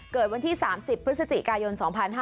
เกิดวันที่๓๐พฤศจิกายน๒๕๕๙